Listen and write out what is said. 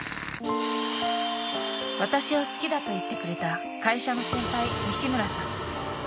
［私を好きだと言ってくれた会社の先輩西村さん］